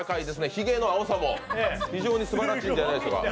ひげの青さも非常にすばらしいんじゃないでしょうか。